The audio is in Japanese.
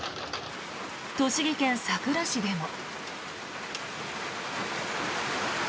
栃木県さくら市でも。